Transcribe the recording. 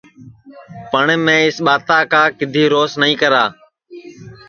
پٹؔ میں اِس ٻاتا کا کِدؔی روس نائی کرا